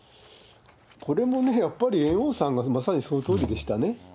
これもね、やっぱり猿翁さんがまさにそのとおりでしたね。